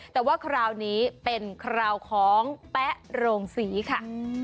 แต่ว่าคราวนี้เป็นคราวของแป๊ะโรงศรีค่ะ